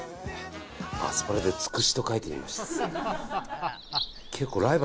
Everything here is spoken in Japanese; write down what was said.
アスパラで「ツクシ」と書いてみました。